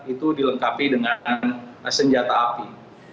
itu dilengkapi dengan senjata api